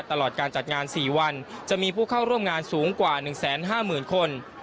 ตลอดการจัดงาน๔วันจะมีผู้เข้าร่วมงานสูงกว่า๑๕๐๐๐คน